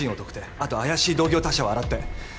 あと怪しい同業他社を洗って！